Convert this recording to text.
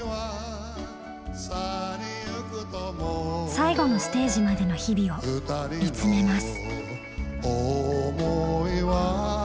最後のステージまでの日々を見つめます。